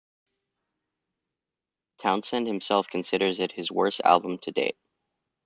Townsend himself considers it his worst album to date.